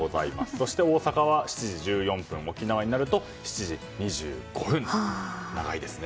そして大阪は７時１４分沖縄になると７時２５分と、長いですね。